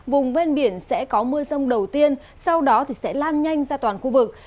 vùng ven biển sẽ có mưa rông đầu tiên sau đó sẽ lan nhanh ra toàn khu vực